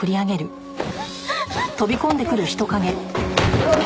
うわっ！